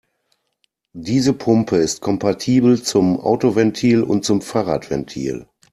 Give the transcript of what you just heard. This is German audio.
Diese Pumpe ist kompatibel zum Autoventil und zum Fahrradventil.